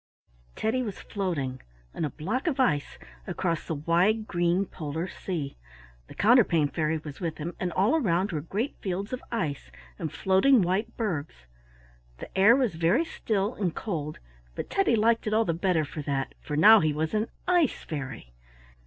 Teddy was floating on a block of ice across the wide, green Polar sea. The Counterpane Fairy was with him, and all around were great fields of ice and floating white bergs. The air was very still and cold, but Teddy liked it all the better for that, for now he was an ice fairy.